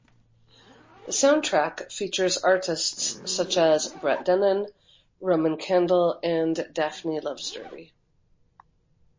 The soundtrack features artists such as Brett Dennen, Roman Candle and Daphne Loves Derby.